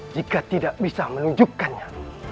jika tidak bisa menunjukkannya